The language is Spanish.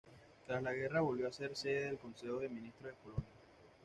Tras la guerra, volvió a ser sede del Consejo de Ministros de Polonia.